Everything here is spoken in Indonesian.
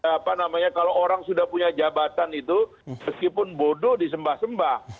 apa namanya kalau orang sudah punya jabatan itu meskipun bodoh disembah sembah